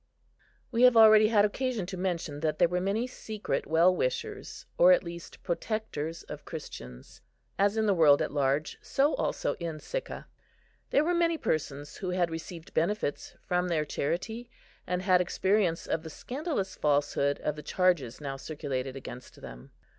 We have already had occasion to mention that there were many secret well wishers, or at least protectors, of Christians, as in the world at large, so also in Sicca. There were many persons who had received benefits from their charity, and had experience of the scandalous falsehood of the charges now circulated against them.